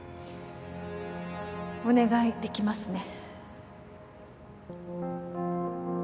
お願い出来ますね？